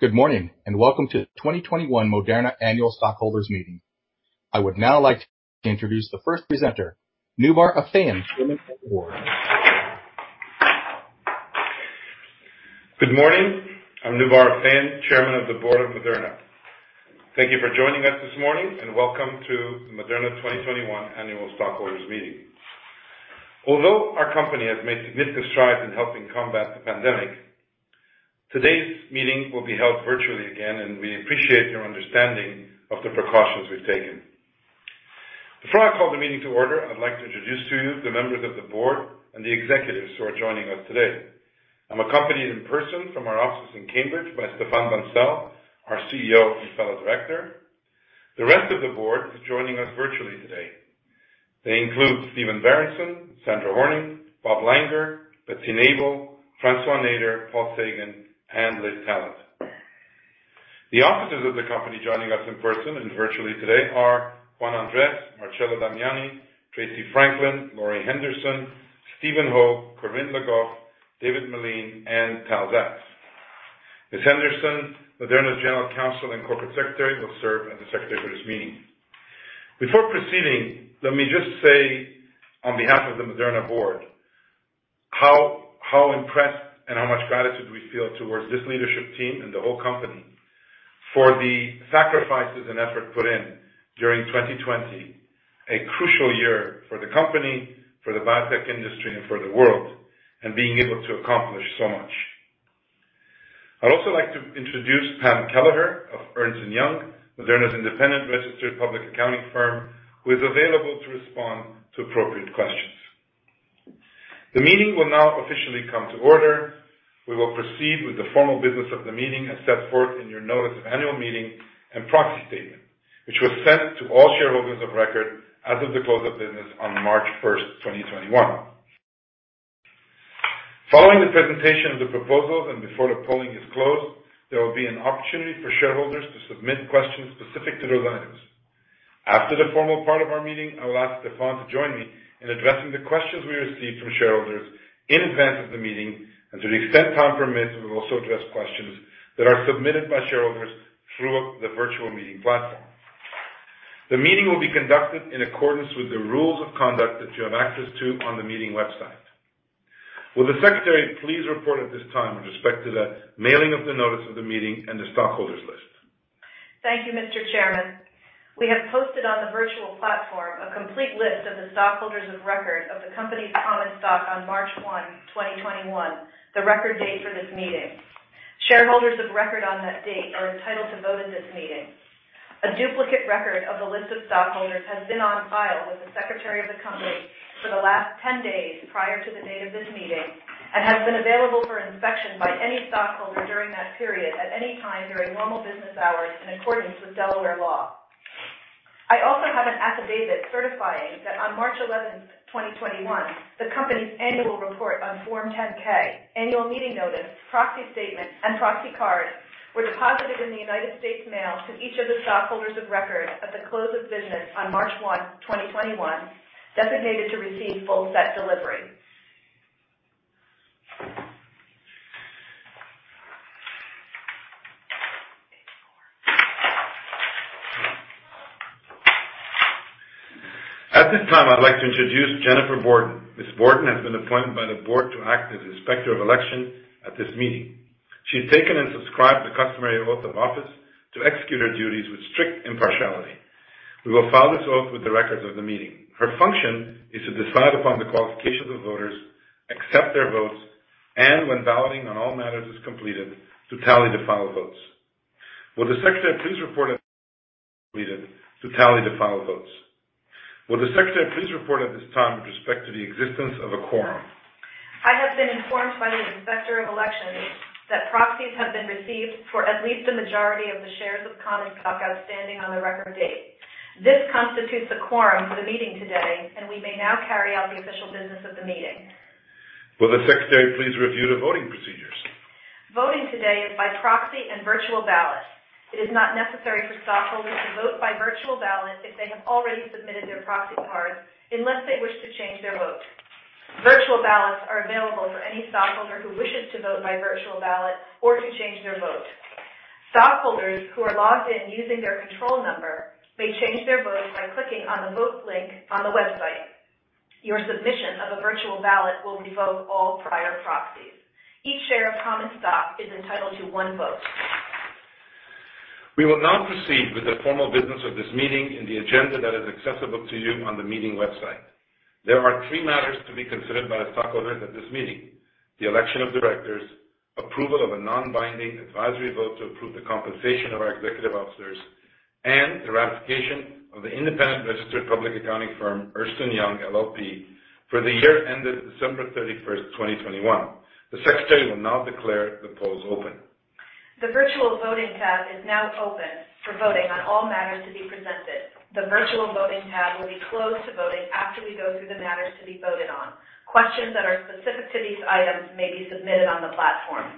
Good morning, and welcome to the 2021 Moderna Annual Stockholders Meeting. I would now like to introduce the first presenter, Noubar Afeyan, Chairman of the Board. Good morning. I'm Noubar Afeyan, Chairman of the Board of Moderna. Thank you for joining us this morning, and welcome to the Moderna 2021 Annual Stockholders Meeting. Although our company has made significant strides in helping combat the pandemic, today's meeting will be held virtually again, and we appreciate your understanding of the precautions we've taken. Before I call the meeting to order, I'd like to introduce to you the members of the Board and the executives who are joining us today. I'm accompanied in person from our offices in Cambridge by Stéphane Bancel, our CEO, and fellow Director. The rest of the Board is joining us virtually today. They include Stephen Berenson, Sandra Horning, Bob Langer, Betsy Nabel, François Nader, Paul Sagan, and Liz Tallett. The officers of the company joining us in person and virtually today are Juan Andres, Marcello Damiani, Tracey Franklin, Lori Henderson, Stephen Hoge, Corinne Le Goff, David Meline, and Tal Zaks. Ms. Henderson, Moderna's General Counsel and Corporate Secretary, will serve as the secretary for this meeting. Before proceeding, let me just say, on behalf of the Moderna Board, how impressed and how much gratitude we feel towards this leadership team and the whole company for the sacrifices and effort put in during 2020, a crucial year for the company, for the biotech industry, and for the world, and being able to accomplish so much. I'd also like to introduce Pam Kelleher of Ernst & Young, Moderna's independent registered public accounting firm, who is available to respond to appropriate questions. The meeting will now officially come to order. We will proceed with the formal business of the meeting as set forth in your notice of annual meeting and proxy statement, which was sent to all shareholders of record as of the close of business on March 1st, 2021. Following the presentation of the proposals and before the polling is closed, there will be an opportunity for shareholders to submit questions specific to those items. After the formal part of our meeting, I will ask Stéphane to join me in addressing the questions we received from shareholders in advance of the meeting, and to the extent time permits, we will also address questions that are submitted by shareholders through the virtual meeting platform. The meeting will be conducted in accordance with the rules of conduct that you have access to on the meeting website. Will the Secretary please report at this time with respect to the mailing of the notice of the meeting and the stockholders list? Thank you, Mr. Chairman. We have posted on the virtual platform a complete list of the stockholders of record of the company's common stock on March 1, 2021, the record date for this meeting. Shareholders of record on that date are entitled to vote in this meeting. A duplicate record of the list of stockholders has been on file with the Secretary of the company for the last 10 days prior to the date of this meeting, and has been available for inspection by any stockholder during that period at any time during normal business hours in accordance with Delaware law. I also have an affidavit certifying that on March 11, 2021, the company's annual report on Form 10-K, annual meeting notice, proxy statement, and proxy cards were deposited in the United States Mail to each of the stockholders of record at the close of business on March 1, 2021, designated to receive full set delivery. At this time, I'd like to introduce Jennifer Borden. Ms. Borden has been appointed by the Board to act as Inspector of Election at this meeting. She has taken and subscribed the customary oath of office to execute her duties with strict impartiality. We will file this oath with the records of the meeting. Her function is to decide upon the qualification of voters, accept their votes, and when balloting on all matters is completed, to tally the final votes. Will the Secretary please report to tally the final votes? Will the Secretary please report at this time with respect to the existence of a quorum? I have been informed by the Inspector of Election that proxies have been received for at least a majority of the shares of common stock outstanding on the record date. This constitutes a quorum for the meeting today. We may now carry out the official business of the meeting. Will the Secretary please review the voting procedures? Voting today is by proxy and virtual ballot. It is not necessary for stockholders to vote by virtual ballot if they have already submitted their proxy cards unless they wish to change their vote. Virtual ballots are available for any stockholder who wishes to vote by virtual ballot or to change their vote. Stockholders who are logged in using their control number may change their vote by clicking on the vote link on the website. Your submission of a virtual ballot will revoke all prior proxies. Each share of common stock is entitled to one vote. We will now proceed with the formal business of this meeting in the agenda that is accessible to you on the meeting website. There are three matters to be considered by the stockholders at this meeting: the election of Directors, approval of a non-binding advisory vote to approve the compensation of our executive officers, and the ratification of the independent registered public accounting firm, Ernst & Young LLP, for the year ended December 31st, 2021. The Secretary will now declare the polls open. The virtual voting tab is now open for voting on all matters to be presented. The virtual voting tab will be closed to voting after we go through the matters to be voted on. Questions that are specific to these items may be submitted on the platform.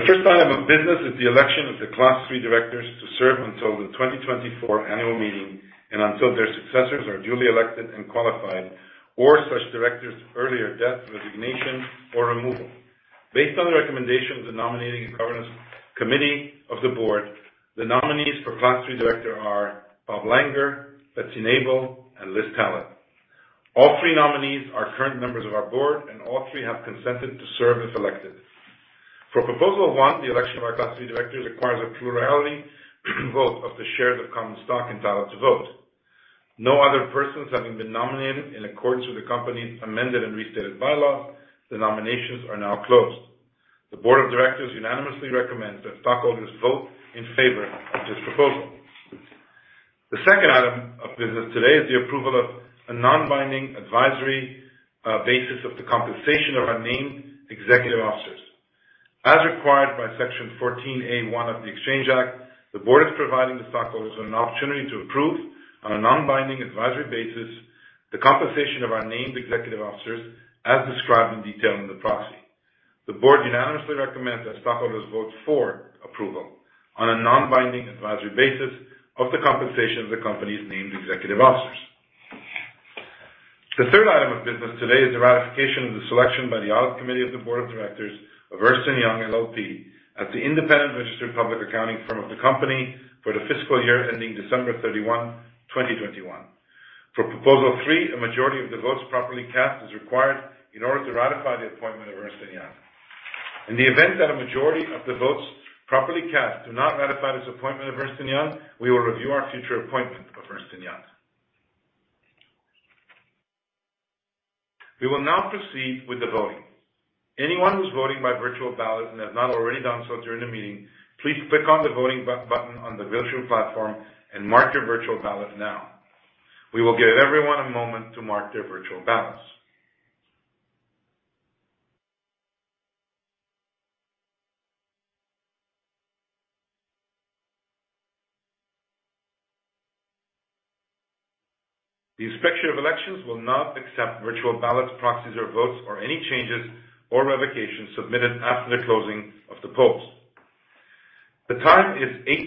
The first item of business is the election of the Class III Directors to serve until the 2024 annual meeting and until their successors are duly elected and qualified or such directors' earlier death, resignation, or removal. Based on the recommendation of the nominating and governance committee of the Board, the nominees for Class III Director are Bob Langer, Betsy Nabel, and Liz Tallett. All three nominees are current members of our Board, and all three have consented to serve if elected. For proposal one, the election of our Class III Directors requires a plurality vote of the shares of common stock entitled to vote. No other persons having been nominated in accordance with the company's amended and restated bylaws, the nominations are now closed. The Board of Directors unanimously recommends that stockholders vote in favor of this proposal. The second item of business today is the approval of a non-binding advisory basis of the compensation of our named executive officers. As required by Section 14(a) of the Exchange Act, the Board is providing the stockholders an opportunity to approve, on a non-binding advisory basis, the compensation of our named executive officers as described in detail in the proxy. The Board unanimously recommends that stockholders vote for approval on a non-binding advisory basis of the compensation of the company's named executive officers. The third item of business today is the ratification of the selection by the audit committee of the board of directors of Ernst & Young LLP as the independent registered public accounting firm of the company for the fiscal year ending December 31, 2021. For proposal three, a majority of the votes properly cast is required in order to ratify the appointment of Ernst & Young. In the event that a majority of the votes properly cast do not ratify this appointment of Ernst & Young, we will review our future appointment of Ernst & Young. We will now proceed with the voting. Anyone who's voting by virtual ballot and has not already done so during the meeting, please click on the Voting button on the virtual platform and mark your virtual ballot now. We will give everyone a moment to mark their virtual ballots. The Inspector of Elections will not accept virtual ballots, proxies, or votes, or any changes or revocations submitted after the closing of the polls. The time is 8:09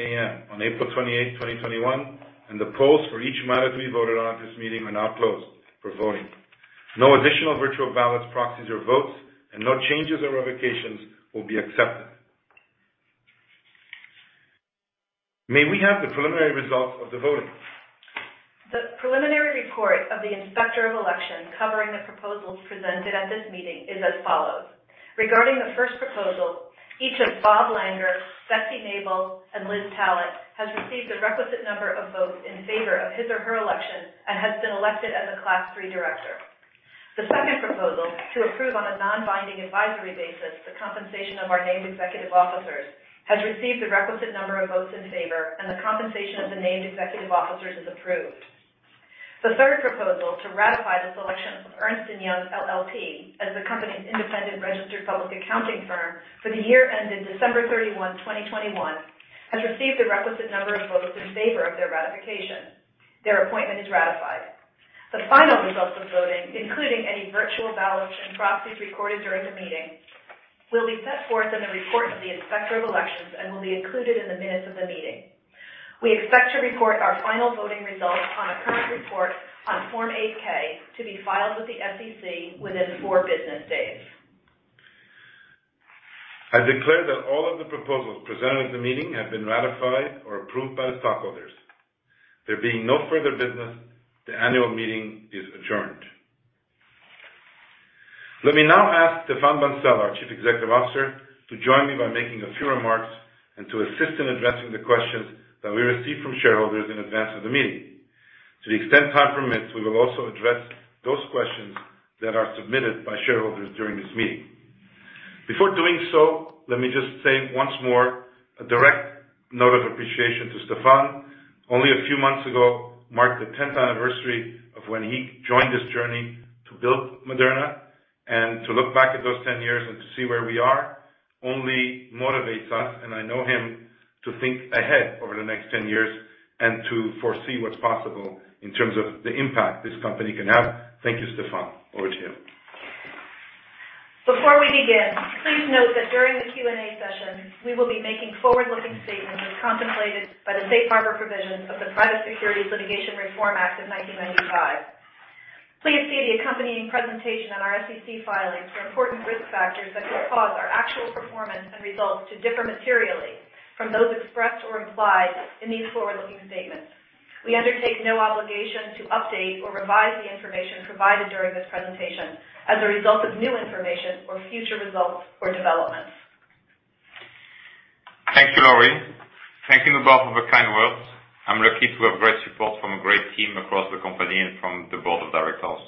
A.M. on April 28, 2021, and the polls for each matter to be voted on at this meeting are now closed for voting. No additional virtual ballots, proxies, or votes, and no changes or revocations will be accepted. May we have the preliminary results of the voting? The preliminary report of the Inspector of Elections covering the proposals presented at this meeting is as follows. Regarding the first proposal, each of Bob Langer, Betsy Nabel, and Liz Tallett has received the requisite number of votes in favor of his or her election and has been elected as a Class III director. The second proposal, to approve on a non-binding advisory basis the compensation of our named executive officers, has received the requisite number of votes in favor, and the compensation of the named executive officers is approved. The third proposal, to ratify the selection of Ernst & Young LLP as the company's independent registered public accounting firm for the year ending December 31, 2021, has received the requisite number of votes in favor of their ratification. Their appointment is ratified. The final results of voting, including any virtual ballots and proxies recorded during the meeting, will be set forth in the report of the Inspector of Elections and will be included in the minutes of the meeting. We expect to report our final voting results on a current report on Form 8-K to be filed with the SEC within four business days. I declare that all of the proposals presented at the meeting have been ratified or approved by the stockholders. There being no further business, the annual meeting is adjourned. Let me now ask Stéphane Bancel, our Chief Executive Officer, to join me by making a few remarks and to assist in addressing the questions that we received from shareholders in advance of the meeting. To the extent time permits, we will also address those questions that are submitted by shareholders during this meeting. Before doing so, let me just say once more a direct note of appreciation to Stéphane. Only a few months ago marked the 10th anniversary of when he joined this journey to build Moderna. To look back at those 10 years and to see where we are only motivates us. I know him to think ahead over the next 10 years and to foresee what's possible in terms of the impact this company can have. Thank you, Stéphane. Over to you. Before we begin, please note that during the Q&A session, we will be making forward-looking statements as contemplated by the Safe Harbor provisions of the Private Securities Litigation Reform Act of 1995. Please see the accompanying presentation on our SEC filings for important risk factors that could cause our actual performance and results to differ materially from those expressed or implied in these forward-looking statements. We undertake no obligation to update or revise the information provided during this presentation as a result of new information or future results or developments. Thank you, Lori. Thank you, Noubar, for the kind words. I'm lucky to have great support from a great team across the company and from the Board of Directors.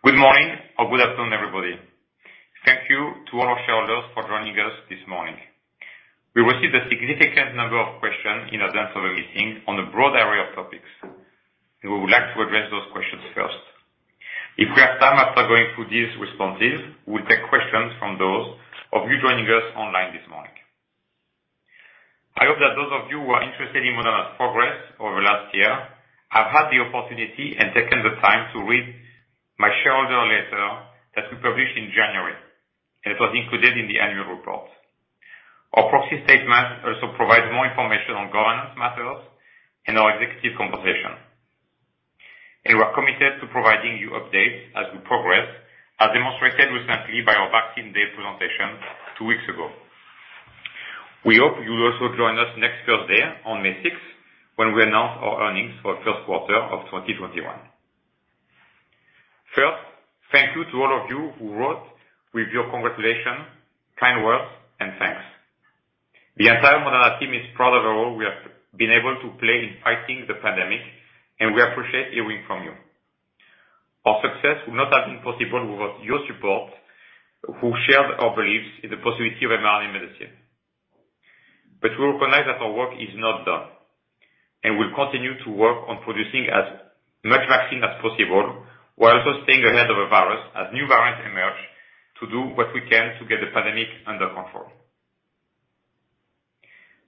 Good morning or good afternoon, everybody. Thank you to all our shareholders for joining us this morning. We received a significant number of questions in advance of the meeting on a broad array of topics, and we would like to address those questions first. If we have time after going through these responses, we'll take questions from those of you joining us online this morning. I hope that those of you who are interested in Moderna's progress over last year have had the opportunity and taken the time to read my shareholder letter that we published in January, and it was included in the annual report. Our proxy statement also provides more information on governance matters and our executive compensation. We are committed to providing you updates as we progress, as demonstrated recently by our Vaccines Day presentation two weeks ago. We hope you'll also join us next Thursday on May 6th, when we announce our earnings for the first quarter of 2021. Thank you to all of you who wrote with your congratulations, kind words, and thanks. The entire Moderna team is proud of the role we have been able to play in fighting the pandemic, and we appreciate hearing from you. Our success would not have been possible without your support, who shared our beliefs in the possibility of mRNA medicine. We recognize that our work is not done, and we'll continue to work on producing as much vaccine as possible while also staying ahead of the virus as new variants emerge to do what we can to get the pandemic under control.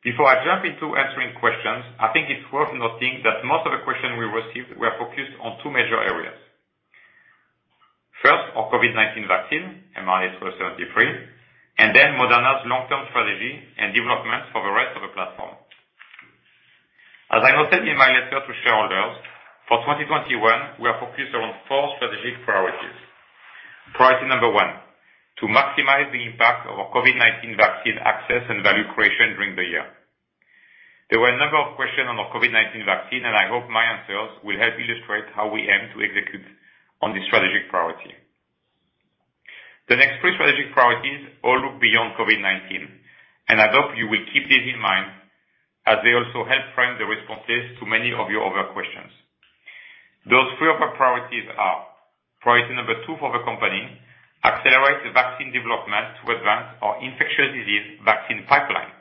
Before I jump into answering questions, I think it's worth noting that most of the questions we received were focused on two major areas. First, our COVID-19 vaccine, mRNA-1273, and then Moderna's long-term strategy and developments for the rest of the platform. As I noted in my letter to shareholders, for 2021, we are focused on four strategic priorities. Priority number one, to maximize the impact of our COVID-19 vaccine access and value creation during the year. There were a number of questions on our COVID-19 vaccine, and I hope my answers will help illustrate how we aim to execute on this strategic priority. The next three strategic priorities all look beyond COVID-19, and I hope you will keep these in mind as they also help frame the responses to many of your other questions. Those three other priorities are, priority number two for the company, accelerate the vaccine development to advance our infectious disease vaccine pipeline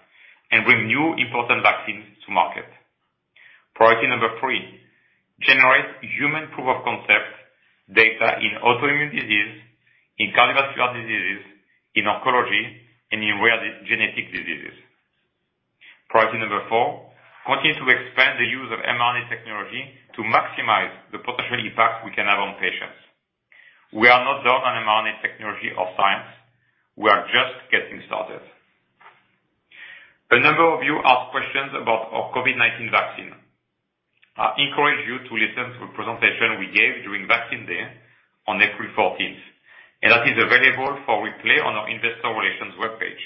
and bring new important vaccines to market. Priority number three, generate human proof of concept data in autoimmune disease, in cardiovascular diseases, in oncology, and in rare genetic diseases. Priority number four, continue to expand the use of mRNA technology to maximize the potential impact we can have on patients. We are not done on mRNA technology or science. We are just getting started. A number of you asked questions about our COVID-19 vaccine. I encourage you to listen to a presentation we gave during Vaccines Day on April 14th, and that is available for replay on our investor relations webpage,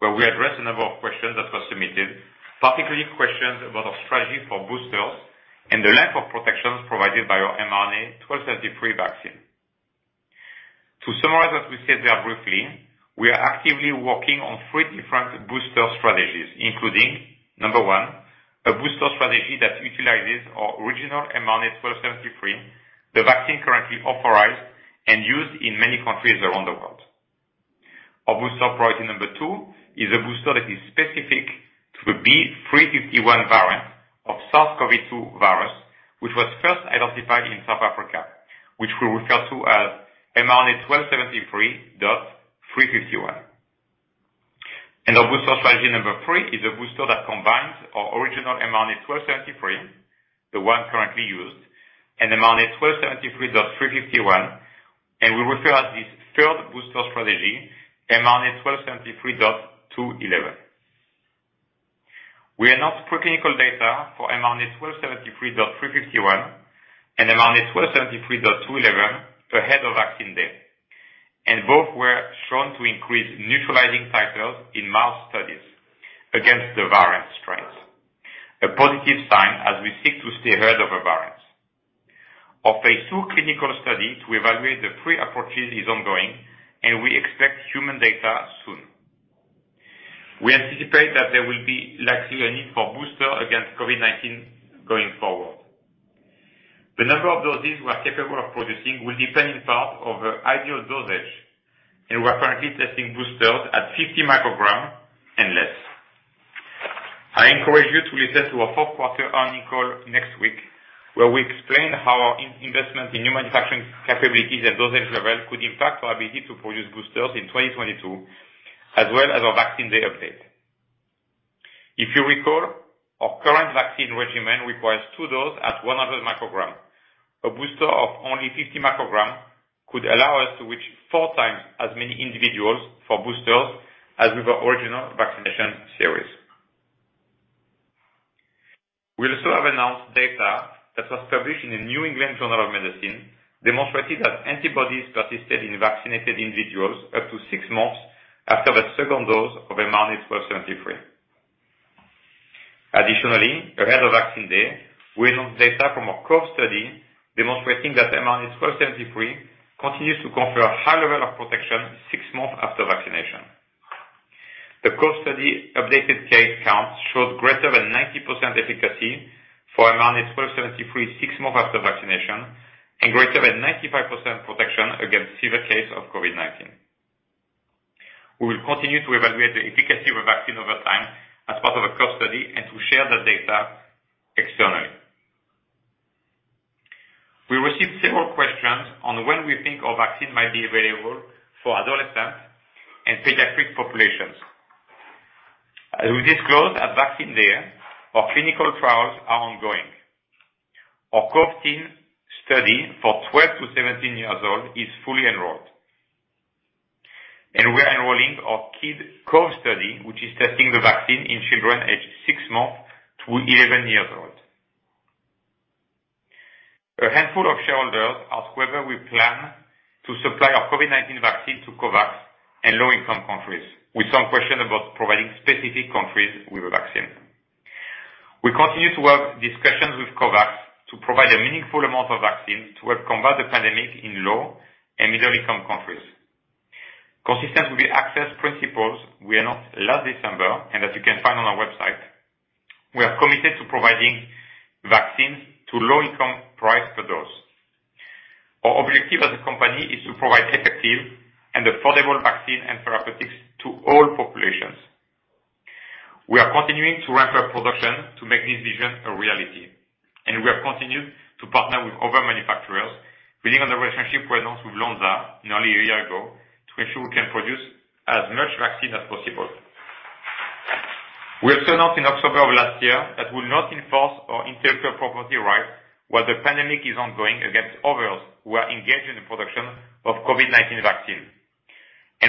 where we address a number of questions that were submitted, particularly questions about our strategy for boosters and the length of protections provided by our mRNA-1273 vaccine. To summarize what we said there briefly, we are actively working on three different booster strategies, including, number one, a booster strategy that utilizes our original mRNA-1273, the vaccine currently authorized and used in many countries around the world. Our booster priority number two is a booster that is specific to the B.1.351 variant of SARS-CoV-2 virus, which was first identified in South Africa, which we refer to as mRNA-1273.351. Our booster strategy number three is a booster that combines our original mRNA-1273, the one currently used, and mRNA-1273.351, and we refer as this third booster strategy mRNA-1273.211. We announced preclinical data for mRNA-1273.351 and mRNA-1273.211 ahead of Vaccines Day, and both were shown to increase neutralizing titers in mouse studies against the variant strains. A positive sign as we seek to stay ahead of the variants. Our phase II clinical study to evaluate the three approaches is ongoing, and we expect human data soon. We anticipate that there will be likely a need for booster against COVID-19 going forward. The number of doses we are capable of producing will depend in part on the ideal dosage, and we're currently testing boosters at 50 mcg and less. I encourage you to listen to our [first] quarter earnings call next week, where we explain how our investment in new manufacturing capabilities at dosage level could impact our ability to produce boosters in 2022, as well as our Vaccine Day update. If you recall, our current vaccine regimen requires two doses at 100 mcg. A booster of only 50 mcg could allow us to reach 4x as many individuals for boosters as with the original vaccination series. We also have announced data that was published in the New England Journal of Medicine, demonstrating that antibodies persisted in vaccinated individuals up to six months after the second dose of mRNA-1273. Additionally, ahead of Vaccine Day, we announced data from a COVE study demonstrating that mRNA-1273 continues to confer a high level of protection six months after vaccination. The COVE study updated case counts showed greater than 90% efficacy for mRNA-1273 six months after vaccination and greater than 95% protection against severe case of COVID-19. We will continue to evaluate the efficacy of the vaccine over time as part of the COVE study and to share the data externally. We received several questions on when we think our vaccine might be available for adolescent and pediatric populations. As we disclosed at Vaccines Day, our clinical trials are ongoing. Our TeenCOVE study for 12 to 17 years old is fully enrolled. We are enrolling our KidCOVE Study, which is testing the vaccine in children aged six months to 11 years old. A handful of shareholders asked whether we plan to supply our COVID-19 vaccine to COVAX and low-income countries, with some question about providing specific countries with a vaccine. We continue to have discussions with COVAX to provide a meaningful amount of vaccine to help combat the pandemic in low and middle-income countries. Consistent with the access principles we announced last December, and as you can find on our website, we are committed to providing vaccines to low-income price per dose. Our objective as a company is to provide effective and affordable vaccine and therapeutics to all populations. We are continuing to ramp up production to make this vision a reality, and we have continued to partner with other manufacturers, building on the relationship we announced with Lonza nearly a year ago, to ensure we can produce as much vaccine as possible. We also announced in October of last year that we'll not enforce our intellectual property rights while the pandemic is ongoing against others who are engaged in the production of COVID-19 vaccine.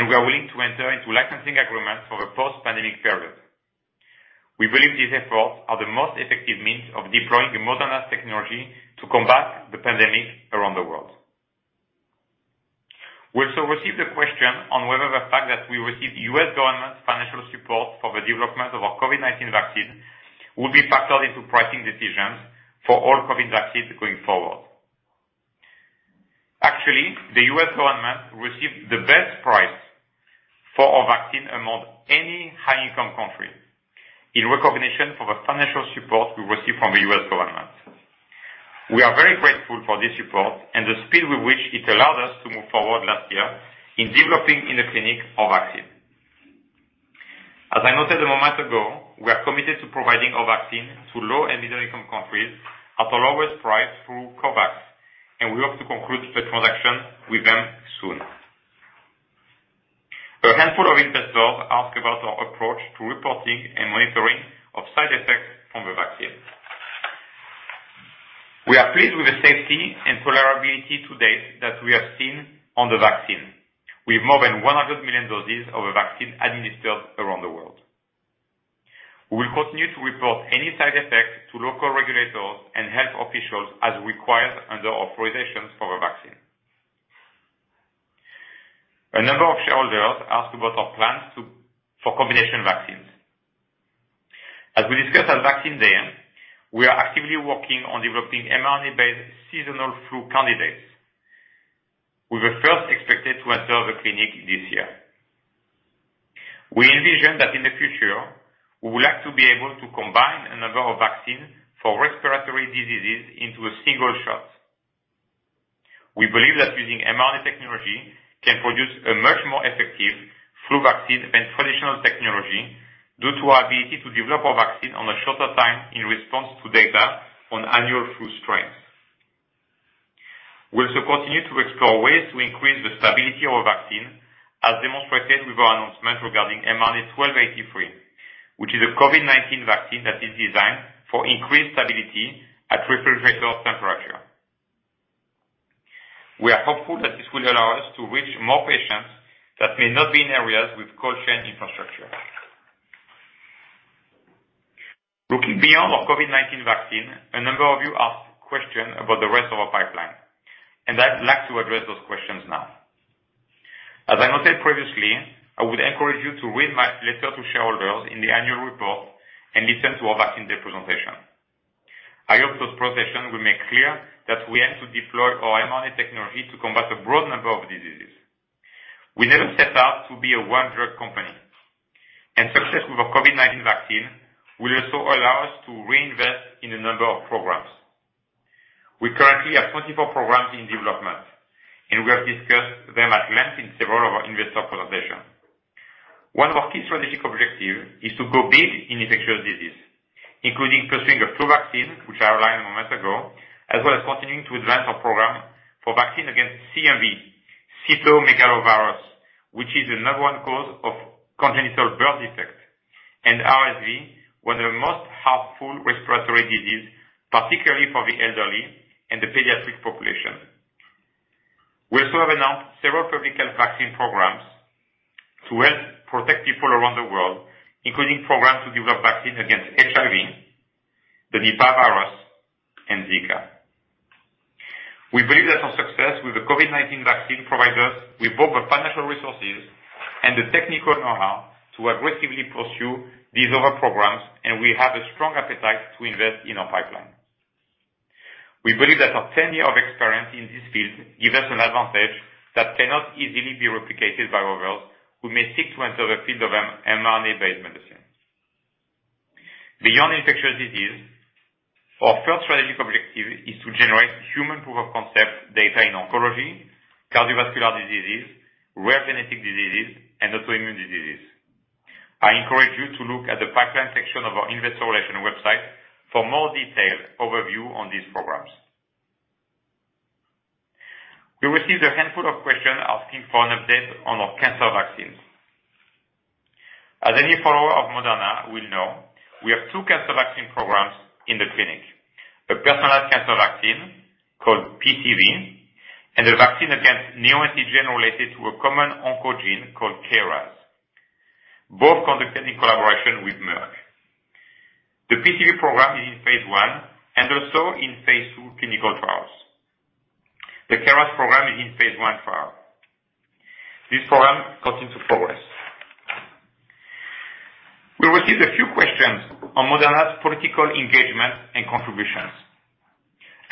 We are willing to enter into licensing agreements for the post-pandemic period. We believe these efforts are the most effective means of deploying the Moderna technology to combat the pandemic around the world. We also received a question on whether the fact that we received U.S. government financial support for the development of our COVID-19 vaccine will be factored into pricing decisions for all COVID vaccines going forward. The U.S. government received the best price for our vaccine among any high-income country, in recognition for the financial support we received from the U.S. government. We are very grateful for this support and the speed with which it allowed us to move forward last year in developing in the clinic our vaccine. As I noted a moment ago, we are committed to providing our vaccine to low and middle-income countries at the lowest price through COVAX, and we hope to conclude a transaction with them soon. A handful of investors asked about our approach to reporting and monitoring of side effects from the vaccine. We are pleased with the safety and tolerability to date that we have seen on the vaccine, with more than 100 million doses of the vaccine administered around the world. We will continue to report any side effects to local regulators and health officials as required under authorizations for the vaccine. A number of shareholders asked about our plans for combination vaccines. As we discussed at Vaccines Day, we are actively working on developing mRNA-based seasonal flu candidates, with the first expected to enter the clinic this year. We envision that in the future, we would like to be able to combine a number of vaccines for respiratory diseases into a single shot. We believe that using mRNA technology can produce a much more effective flu vaccine than traditional technology due to our ability to develop a vaccine on a shorter time in response to data on annual flu strains. We'll also continue to explore ways to increase the stability of the vaccine, as demonstrated with our announcement regarding mRNA-1283, which is a COVID-19 vaccine that is designed for increased stability at refrigerator temperature. We are hopeful that this will allow us to reach more patients that may not be in areas with cold chain infrastructure. Looking beyond our COVID-19 vaccine, a number of you asked questions about the rest of our pipeline, and I'd like to address those questions now. As I noted previously, I would encourage you to read my letter to shareholders in the annual report and listen to our Vaccines Day presentation. I hope those presentations will make clear that we aim to deploy our mRNA technology to combat a broad number of diseases. We never set out to be a one-drug company, and success with our COVID-19 vaccine will also allow us to reinvest in a number of programs. We currently have 24 programs in development, and we have discussed them at length in several of our investor presentations. One of our key strategic objectives is to go big in infectious disease, including pursuing a flu vaccine, which I outlined a moment ago, as well as continuing to advance our program for vaccine against CMV, cytomegalovirus, which is the number one cause of congenital birth defects, and RSV, one of the most harmful respiratory disease, particularly for the elderly and the pediatric population. We also have announced several public health vaccine programs to help protect people around the world, including programs to develop vaccines against HIV, the Nipah virus, and Zika. We believe that our success with the COVID-19 vaccine provide us with both the financial resources and the technical know-how to aggressively pursue these other programs, and we have a strong appetite to invest in our pipeline. We believe that our 10 years of experience in this field gives us an advantage that cannot easily be replicated by others who may seek to enter the field of mRNA-based medicine. Beyond infectious disease, our first strategic objective is to generate human proof-of-concept data in oncology, cardiovascular diseases, rare genetic diseases, and autoimmune diseases. I encourage you to look at the pipeline section of our investor relations website for more detailed overview of these programs. We received a handful of questions asking for an update on our cancer vaccines. As any follower of Moderna will know, we have two cancer vaccine programs in the clinic. A personalized cancer vaccine called PCV, and a vaccine against neoantigens related to a common oncogene called KRAS, both conducted in collaboration with Merck. The PCV program is in phase I and also in phase II clinical trials. The KRAS program is in phase I trial. This program continues to progress. We received a few questions on Moderna's political engagement and contributions.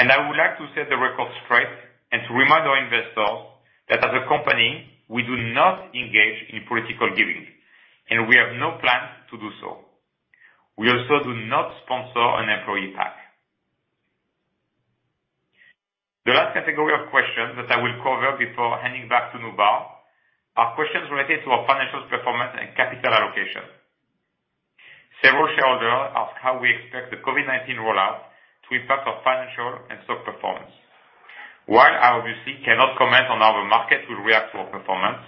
I would like to set the record straight and to remind our investors that as a company, we do not engage in political giving. We have no plans to do so. We also do not sponsor an employee PAC. The last category of questions that I will cover before handing back to Noubar are questions related to our financial performance and capital allocation. Several shareholders asked how we expect the COVID-19 rollout to impact our financial and stock performance. While I obviously cannot comment on how the market will react to our performance,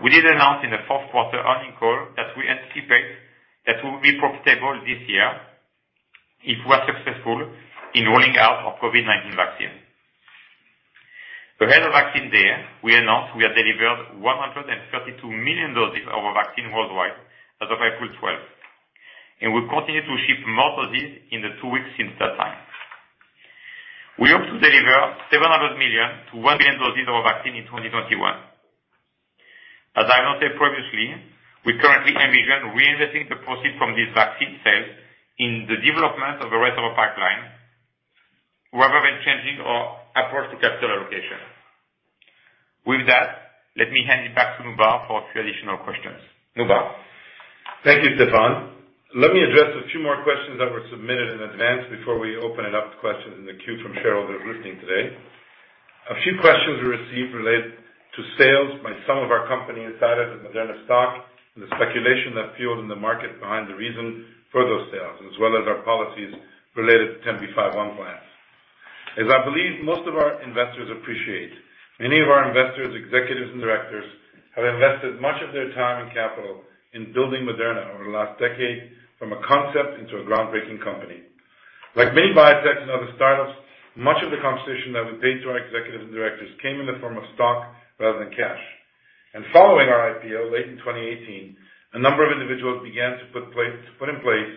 we did announce in the fourth quarter earnings call that we anticipate that we'll be profitable this year if we're successful in rolling out our COVID-19 vaccine. Ahead of Vaccines Day, we announced we have delivered 132 million doses of our vaccine worldwide as of April 12th. We continue to ship more doses in the two weeks since that time. We hope to deliver 700 million-1 billion doses of our vaccine in 2021. As I noted previously, we currently envision reinvesting the proceeds from these vaccine sales in the development of the rest of our pipeline rather than changing our approach to capital allocation. With that, let me hand it back to Noubar for a few additional questions. Noubar. Thank you, Stéphane. Let me address a few more questions that were submitted in advance before we open it up to questions in the queue from shareholders listening today. A few questions we received relate to sales by some of our company insiders of Moderna stock, and the speculation that fueled in the market behind the reason for those sales, as well as our policies related to 10b5-1 plans. As I believe most of our investors appreciate, many of our investors, executives, and directors have invested much of their time and capital in building Moderna over the last decade from a concept into a groundbreaking company. Like many biotech and other startups, much of the compensation that we paid to our executives and directors came in the form of stock rather than cash. Following our IPO late in 2018, a number of individuals began to put in place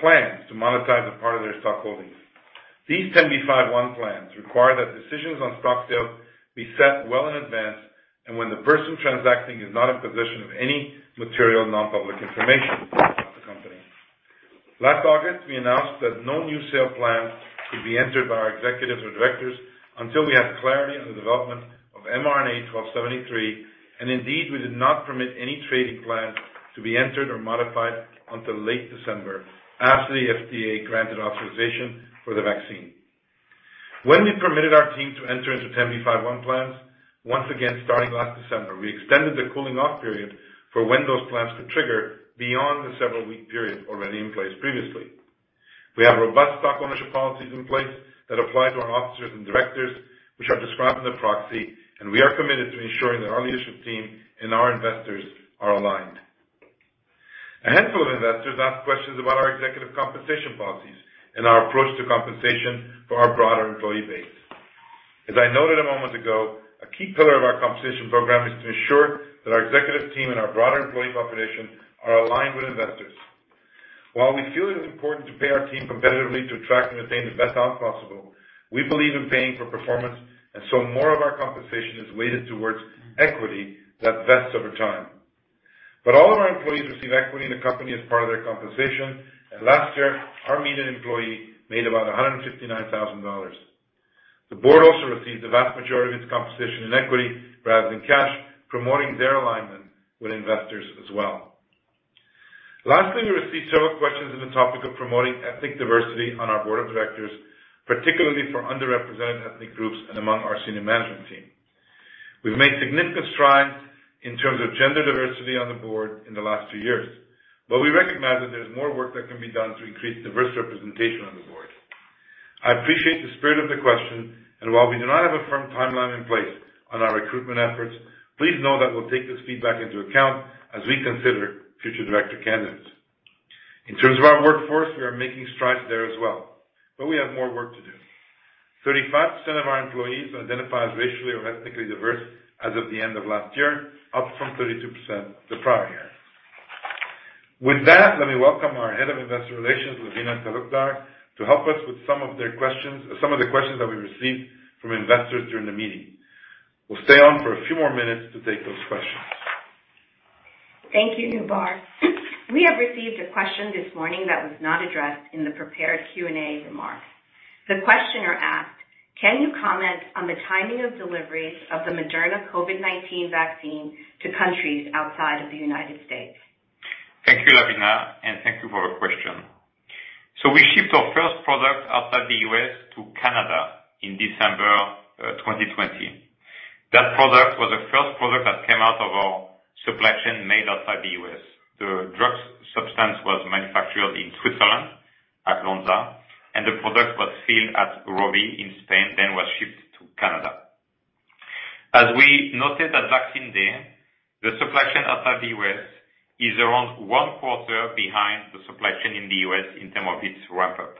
plans to monetize a part of their stock holdings. These 10b5-1 plans require that decisions on stock sales be set well in advance and when the person transacting is not in possession of any material non-public information about the company. Last August, we announced that no new sale plans could be entered by our executives or directors until we had clarity on the development of mRNA-1273, and indeed, we did not permit any trading plans to be entered or modified until late December, after the FDA granted authorization for the vaccine. When we permitted our team to enter into 10b5-1 plans, once again starting last December, we extended the cooling off period for when those plans could trigger beyond the several week period already in place previously. We have robust stock ownership policies in place that apply to our officers and directors, which are described in the proxy, and we are committed to ensuring that our leadership team and our investors are aligned. A handful of investors asked questions about our executive compensation policies and our approach to compensation for our broader employee base. As I noted a moment ago, a key pillar of our compensation program is to ensure that our executive team and our broader employee population are aligned with investors. While we feel it is important to pay our team competitively to attract and retain the best talent possible, we believe in paying for performance, and so more of our compensation is weighted towards equity that vests over time. All of our employees receive equity in the company as part of their compensation, and last year, our median employee made about $159,000. The Board also received the vast majority of its compensation in equity rather than cash, promoting their alignment with investors as well. Lastly, we received several questions on the topic of promoting ethnic diversity on our Board of Directors, particularly for underrepresented ethnic groups and among our senior management team. We've made a significant in terms of gender diversity on the Board, in the last few years. We recognize that there's more work that can be done to increase diverse representation on the Board. I appreciate the spirit of the question, and while we do not have a firm timeline in place on our recruitment efforts, please know that we'll take this feedback into account as we consider future director candidates. In terms of our workforce, we are making strides there as well, but we have more work to do. 35% of our employees identify as racially or ethnically diverse as of the end of last year, up from 32% the prior year. With that, let me welcome our Head of Investor Relations, Lavina Talukdar, to help us with some of the questions that we received from investors during the meeting. We'll stay on for a few more minutes to take those questions. Thank you, Noubar. We have received a question this morning that was not addressed in the prepared Q&A remarks. The questioner asked, "Can you comment on the timing of deliveries of the Moderna COVID-19 vaccine to countries outside of the U.S.? Thank you, Lavina. Thank you for your question. We shipped our first product outside the U.S. to Canada in December 2020. That product was the first product that came out of our supply chain made outside the U.S. The drug substance was manufactured in Switzerland at Lonza, and the product was filled at ROVI in Spain, then was shipped to Canada. As we noted at Vaccines Day, the supply chain outside the U.S. is around one quarter behind the supply chain in the U.S. in terms of its ramp-up.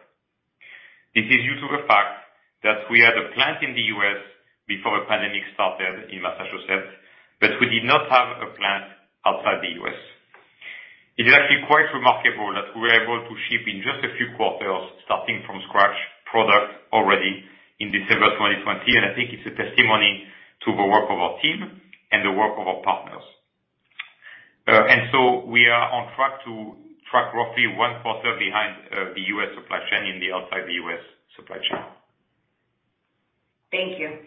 This is due to the fact that we had a plant in the U.S. before the pandemic started in Massachusetts, but we did not have a plant outside the U.S. It is actually quite remarkable that we were able to ship in just a few quarters, starting from scratch, product already in December 2020. I think it's a testimony to the work of our team and the work of our partners. We are on track to track roughly one quarter behind the U.S. supply chain in the outside the U.S. supply chain. Thank you.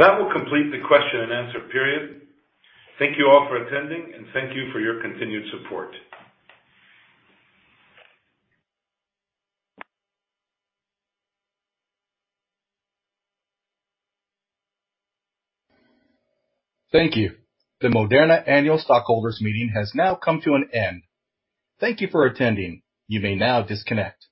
That will complete the question and answer period. Thank you all for attending, and thank you for your continued support. Thank you. The Moderna annual stockholders meeting has now come to an end. Thank you for attending. You may now disconnect.